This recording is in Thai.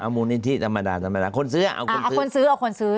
เอามูลนี้ที่ธรรมดาคนซื้อเอาคนซื้อ